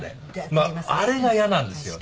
あれが嫌なんですよ。